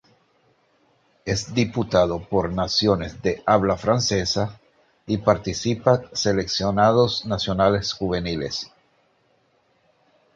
Es disputado por naciones de habla francesa y participa seleccionados nacionales juveniles.